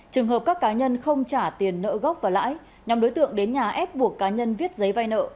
trường hợp các cá nhân không trả tiền nợ gốc và lãi nhóm đối tượng đến nhà ép buộc cá nhân viết giấy vay nợ